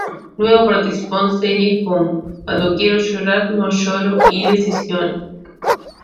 Luego participó en series como "Cuando quiero llorar no lloro" y "Decisiones".